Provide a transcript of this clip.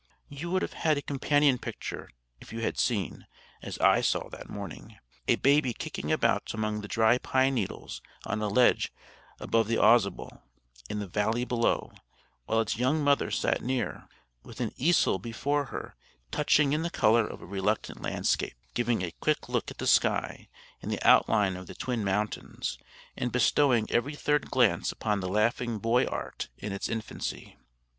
You would have had a companion picture, if you had seen, as I saw that morning, a baby kicking about among the dry pine needles on a ledge above the Ausable, in the valley below, while its young mother sat near, with an easel before her, touching in the color of a reluctant landscape, giving a quick look at the sky and the outline of the Twin Mountains, and bestowing every third glance upon the laughing boy art in its infancy.